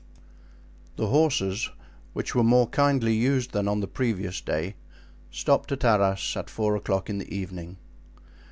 The horses, which were more kindly used than on the previous day, stopped at Arras at four o'clock in the evening.